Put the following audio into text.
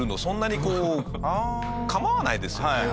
そんなにこう構わないですよ。